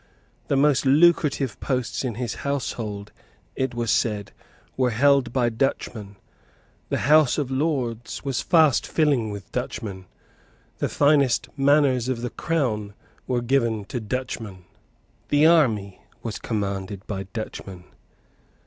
The most lucrative posts in his household, it was said, were held by Dutchmen; the House of Lords was fast filling with Dutchmen; the finest manors of the Crown were given to Dutchmen; the army was commanded by Dutchmen.